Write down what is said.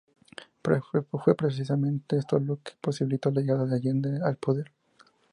Fue precisamente esto lo que posibilitó la llegada de Allende al poder.